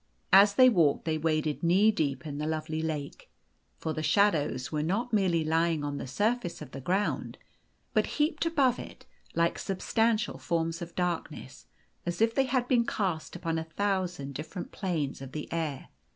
As they walked they waded kuee deep in the lovely lake. For the shadows were not merely lying on the surface of the ground, but heaped up above it like substantial forms of darkness, as if they had been cast upon a thousand different planes of air.